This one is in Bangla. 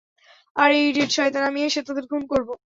আরে ইডিয়েট, শয়তান, আমি এসে তোদের খুন করব!